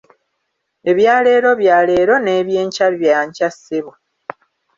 Ebya leero bya leero n’ebyenkya bya nkya ssebo.